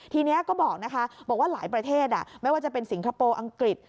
ทีนี้ก็บอกว่าหลายประเทศไม่ว่าจะเป็นแบบสิงคับโปอังกฤษ